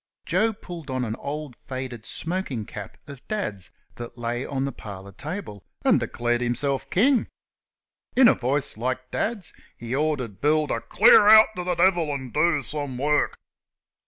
Joe pulled on an old faded smoking cap of Dad's that lay on the parlour table, and declared himself king. In a voice like Dad's he ordered Bill to "Clear t' th' devil, an' do some work."